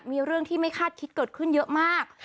มีเรื่องที่ไม่คาดคิดเกิดขึ้นเยอะมาก